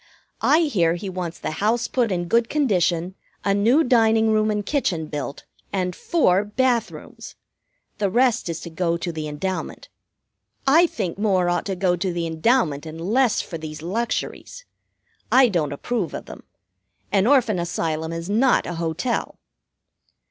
I hear he wants the house put in good condition, a new dining room and kitchen built and four bath rooms. The rest is to go to the endowment. I think more ought to go to the endowment and less for these luxuries. I don't approve of them. An Orphan Asylum is not a hotel."